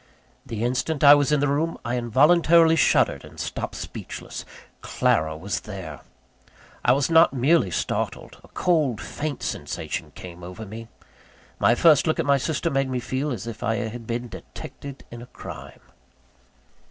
The instant I was in the room, I involuntarily shuddered and stopped speechless. Clara was there! I was not merely startled; a cold, faint sensation came over me. My first look at my sister made me feel as if I had been detected in a crime.